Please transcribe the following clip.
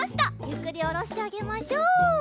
ゆっくりおろしてあげましょう。